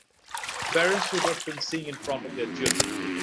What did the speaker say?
Parents should often sing in front of their children.